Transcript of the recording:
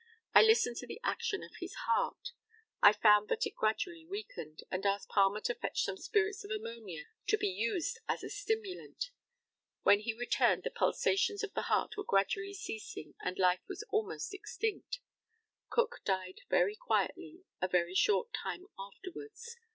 I listened to the action of his heart. I found that it gradually weakened, and asked Palmer to fetch some spirits of ammonia to be used as a stimulant. When he returned the pulsations of the heart were gradually ceasing, and life was almost extinct. Cook died very quietly a very short time afterwards.